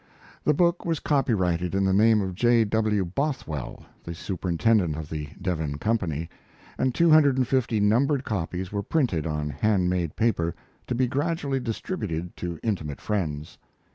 The book was copyrighted in the name of J. W. Bothwell, the superintendent of the De Vinne company, and two hundred and fifty numbered copies were printed on hand made paper, to be gradually distributed to intimate friends.